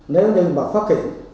nếu như mà phát hiện